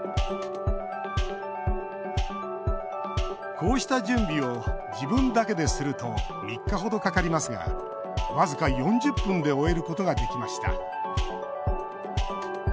こうした準備を自分だけですると３日程かかりますが僅か４０分で終えることができました。